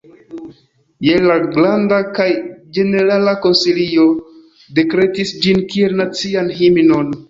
Je la la Granda kaj Ĝenerala Konsilio dekretis ĝin kiel nacian himnon.